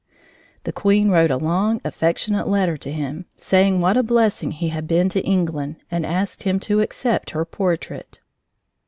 The queen wrote a long, affectionate letter to him, saying what a blessing he had been to England, and asked him to accept her portrait.